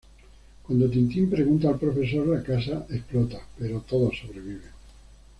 Cuando Tintin pregunta al profesor, la casa explota, pero todos sobreviven.